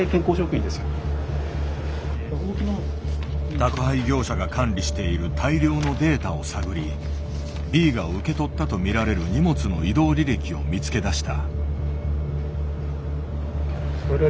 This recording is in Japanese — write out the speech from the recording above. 宅配業者が管理している大量のデータを探りＢが受け取ったとみられる荷物の移動履歴を見つけ出した。